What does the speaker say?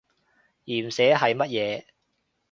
鹽蛇係乜嘢？